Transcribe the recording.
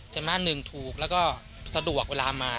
สมาธินึ่งถูกและสะดวกเวลามา